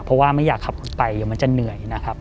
เพราะว่าไม่อยากขับรถไปเดี๋ยวมันจะเหนื่อยนะครับ